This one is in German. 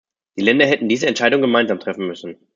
Die Länder hätten diese Entscheidung gemeinsam treffen müssen.